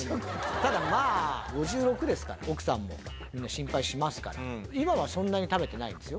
ただまあ、５６ですから、奥さんも心配しますから、今はそんなに食べてないですよ。